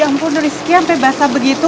ya ampun risky sampai basah begitu